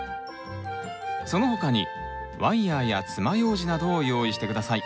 その他にワイヤーやつまようじなどを用意して下さい。